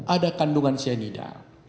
ada kandungan cyanida